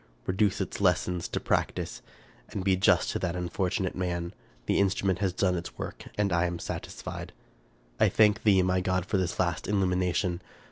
Reduce its lessons to practice, and be just to that unfortunate man. The instrument has done its work, and I am satisfied. " I thank thee, my God, for this last illumination